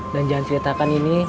dan jangan ceritakan ini